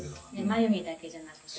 「眉毛だけじゃなくてね」